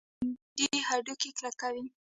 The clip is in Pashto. ویټامین ډي هډوکي کلکوي